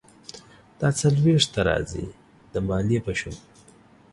دا څلویښت ته راځي، د مالیې په شمول.